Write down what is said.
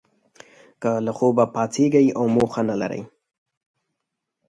که له خوبه پاڅیږی او موخه نه لرئ